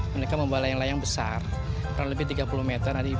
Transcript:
mereka membawa layang layang besar kurang lebih tiga puluh meter